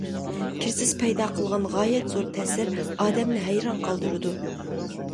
كىرىزىس پەيدا قىلغان غايەت زور تەسىر ئادەمنى ھەيران قالدۇرىدۇ.